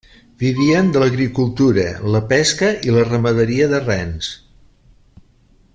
Vivien de l'agricultura, la pesca i la ramaderia de rens.